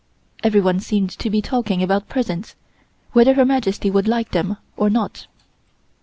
Everyone seemed to be talking about presents, whether Her Majesty would like them or not.